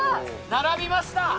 並びました！